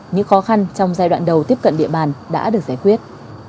những khó khăn trong giai đoạn đầu tiếp cận địa bàn đã được giải quyết